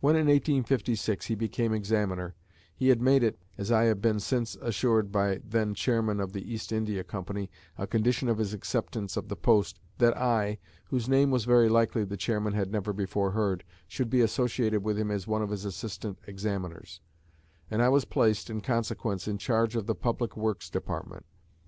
When, in 1856, he became examiner, he had made it, as I have been since assured by the then chairman of the East India Company, a condition of his acceptance of the post, that I, whose name very likely the Chairman had never before heard, should be associated with him as one of his assistant examiners; and I was placed, in consequence, in charge of the Public Works Department.